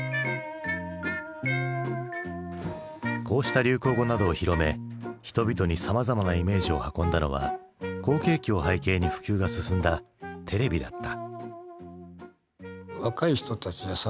こうした流行語などを広め人々にさまざまなイメージを運んだのは好景気を背景に普及が進んだテレビだった。